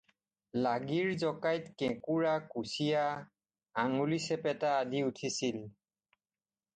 লাগীৰ জকাইত কেঁকোৰা, কুচিয়া, আঙুলিচেপা আদি উঠিল।